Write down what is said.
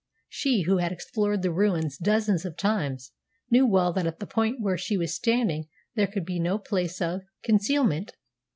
She, who had explored the ruins dozens of times, knew well that at the point where she was standing there could be no place of concealment.